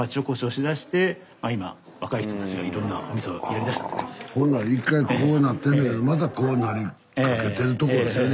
にほんなら一回こうなってたけどまたこうなりかけてるとこですよね